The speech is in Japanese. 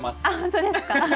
あほんとですか？